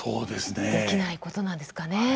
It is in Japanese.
できないことなんですかね。